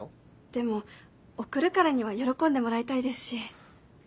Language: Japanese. でも贈るからには喜んでもらいたいですし。